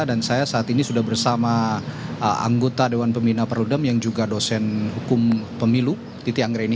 dan saya saat ini sudah bersama anggota dewan pemina perludem yang juga dosen hukum pemilu titi anggreni